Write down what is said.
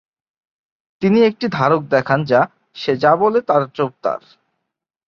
তিনি একটি ধারক দেখান যা সে যা বলে তার চোখ তার।